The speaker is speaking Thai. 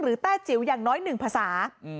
หรือแต้จิ๋วอย่างน้อยหนึ่งภาษา